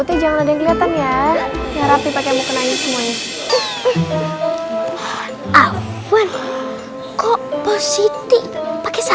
ini yang bener dong emang liya